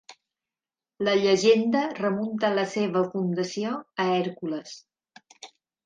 La llegenda remunta la seva fundació a Hèrcules.